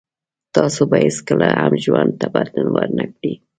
تاسو به هیڅکله هم ژوند ته بدلون ور نه کړی